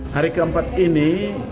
hari keempat ini